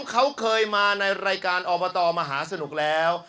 เขาเคยมาในรายการอบตมหาสนุกแล้ว